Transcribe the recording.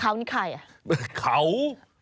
เขานี่ใคร